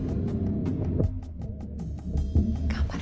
頑張れ。